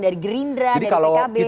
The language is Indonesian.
dari gerindra dari pkb